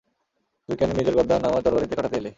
তুই কেন নিজের গর্দান আমার তরবারিতে কাটাতে এলি?